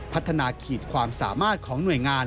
พัฒนาขีดความสามารถของหน่วยงาน